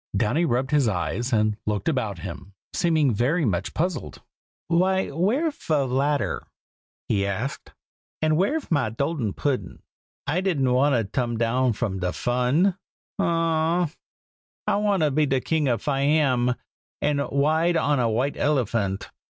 Downy rubbed his eyes and looked about him, seeming very much puzzled. "Why, where'v ve ladder?" he asked. "And where'v my dolden puddin? I didn't want to tome down from de fun! a a a ah! I want to be de King of Fiam, and wide on a white elephant!"